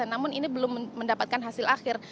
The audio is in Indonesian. namun ini belum mendapatkan hasil akhir